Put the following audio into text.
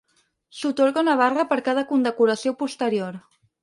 S'atorga una barra per cada condecoració posterior.